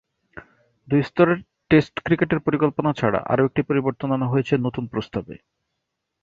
দুই স্তরের টেস্ট ক্রিকেটের পরিকল্পনা ছাড়া আরও একটি পরিবর্তন আনা হয়েছে নতুন প্রস্তাবে।